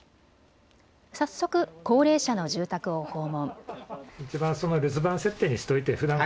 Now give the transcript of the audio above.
早速、高齢者の住宅を訪問。